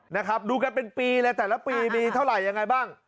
นะครับดูกันเป็นปีเลยแต่ละปีมีเท่าไหร่ยังไงบ้าง